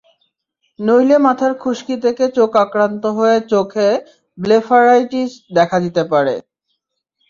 নইলে মাথার খুশকি থেকে চোখ আক্রান্ত হয়ে চোখে ব্লেফারাইটিস দেখা দিতে পারে।